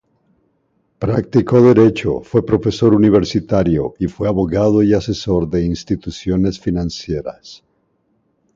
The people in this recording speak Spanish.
Practicó derecho, fue profesor universitario, y fue abogado y asesor de instituciones financieras.